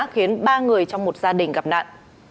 khiến ba người trong một gia đình gặp nạn